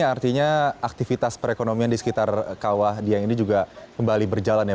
artinya aktivitas perekonomian di sekitar kawah dieng ini juga kembali berjalan ya